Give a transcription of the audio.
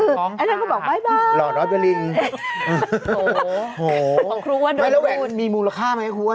เอ้าจริงเหรอครูอ้อนโอ้โฮฮ่า